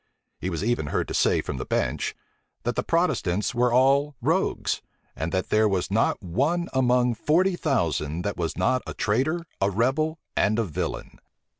He was even heard to say from the bench, that the Protestants were all rogues, and that there was not one among forty thousand that was not a traitor, a rebel, and a villain.